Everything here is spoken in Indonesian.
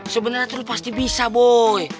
sebenernya tuh lo pasti bisa boy